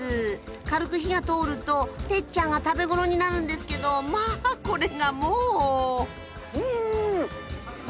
軽く火が通るとテッチャンが食べ頃になるんですけどまあこれがもううん！